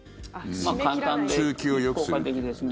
通気をよくすると。